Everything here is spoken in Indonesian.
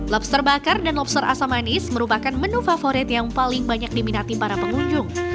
lobster bakar dan lobster asam manis merupakan menu favorit yang paling banyak diminati para pengunjung